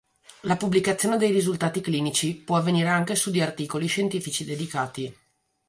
La pubblicazione dei risultati clinici può avvenire anche su di articoli scientifici dedicati.